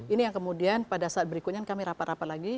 ini yang kemudian pada saat berikutnya kami rapat rapat lagi